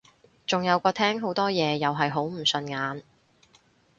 仲有個廳好多嘢又係好唔順眼